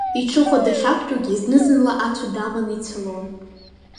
Иҽыхәа дахьақәтәоугьы зны-зынла ацәа даманы ицалон.